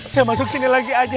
saya masuk sini lagi aja